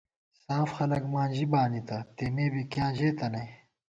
ساف خلَک ماں ژِی بانِتہ ، تېمے بی کِیاں ژېتہ نئ